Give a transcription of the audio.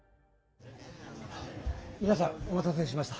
みなさんお待たせしました。